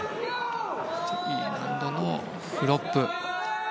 Ｅ難度のフロップ。